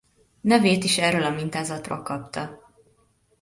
Nevét is erről a mintázatról kapta.